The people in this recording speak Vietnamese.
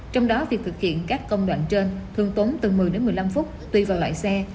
trong đó việc thực hiện các công đoạn trên thường tốn từ một mươi đến một mươi năm phút tùy vào loại xe